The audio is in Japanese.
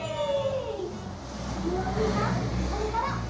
かずむおにいさんこれから。